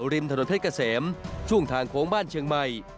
ริมถนนเพชรเกษมช่วงทางโค้งบ้านเชียงใหม่